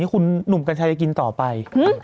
ที่คุณหนูมกันชายจะกินต่อไป